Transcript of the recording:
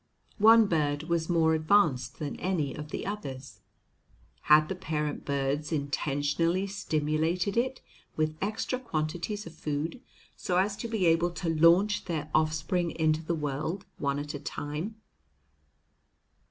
One bird was more advanced than any of the others. Had the parent birds intentionally stimulated it with extra quantities of food, so as to be able to launch their offspring into the world one at a time?